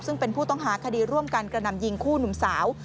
ซึ่งเป็นผู้ต้องหาคดีร่วมกันกระหน่ำยิงคู่หนุ่มสาว